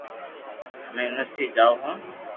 ھمي يونيورسٽي جاو ھون